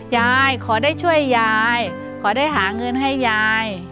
ยายขอได้ช่วยยายขอได้หาเงินให้ยาย